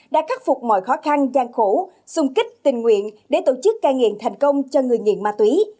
đã khắc phục mọi khó khăn gian khổ xung kích tình nguyện để tổ chức ca nghiện thành công cho người nghiện ma túy